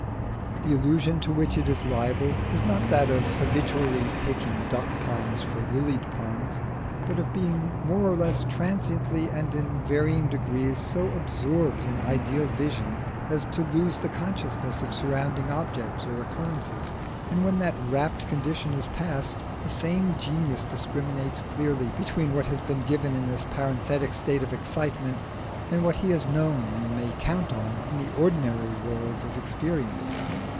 The illusion to which it is liable is not that of habitually taking duck ponds for lilied pools, but of being more or less transiently and in varying degrees so absorbed in ideal vision as to lose the consciousness of surrounding objects or occurrences; and when that rapt condition is past, the sane genius discriminates clearly between what has been given in this parenthetic state of excitement, and what he has known, and may count on, in the ordinary world of experience.